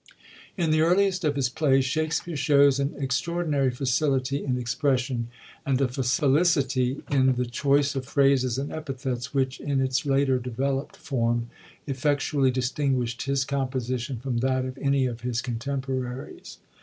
In the earliest of his plays Shakspere shows an extra ordinary facility in expression, and a felicity in the choice of phrases and epithets which, in its later developt form, effectually distinguisht his composition from that of any of his contemporaries.